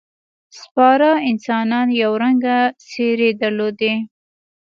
سپاره انسانان یو رنګه ځېرې درلودې.